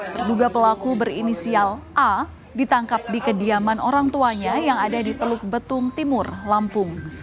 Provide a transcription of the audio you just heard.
terduga pelaku berinisial a ditangkap di kediaman orang tuanya yang ada di teluk betung timur lampung